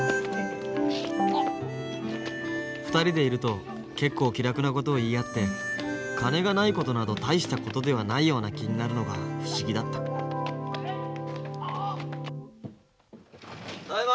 ２人でいると結構気楽なことを言い合って金がないことなど大したことではないような気になるのが不思議だったただいま！